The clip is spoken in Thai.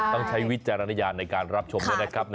ต้องใช้วิจารณญาณในการรับชมก็ได้ครับ